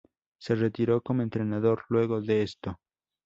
Se retiró como entrenador luego de esto.